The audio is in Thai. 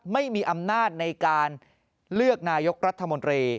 ไม่มีอำนาจในการเลือกนายกรัฐมนตรี